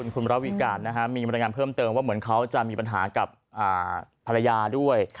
คุณระวิการมีบรรยายงานเพิ่มเติมว่าเหมือนเขาจะมีปัญหากับภรรยาด้วย